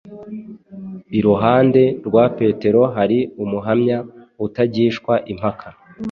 Iruhande rwa Petero hari umuhamya utagishwa impaka,